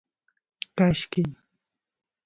کاشکي